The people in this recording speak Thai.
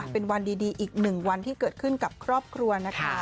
เป็นวันดีอีกหนึ่งวันที่เกิดขึ้นกับครอบครัวนะคะ